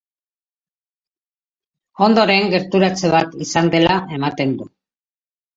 Ondoren, gerturatze bat izan dela ematen du.